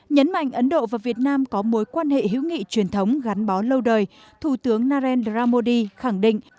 nhấn mạnh ấn độ và việt nam có mối quan hệ hữu nghị truyền thống gắn bó lâu đời thủ tướng narendra modi khẳng định